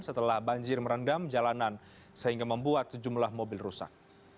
setelah banjir merendam jalanan sehingga membuat sejumlah mobil rusak